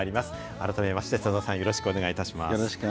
改めまして、さださん、よろしくお願いいたします。